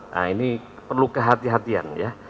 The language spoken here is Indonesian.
nah ini perlu kehati hatian ya